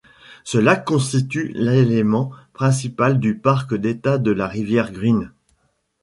Ce lac constitue l'élément principal du parc d'État de la rivière Green.